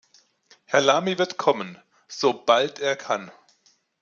Herr Lamy wird kommen, sobald er kann.